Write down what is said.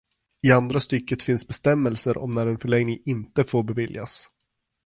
I andra stycket finns bestämmelser om när en förlängning inte får beviljas.